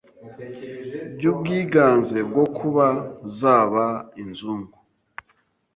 by’ubwiganze bwo kuba zaba inzungu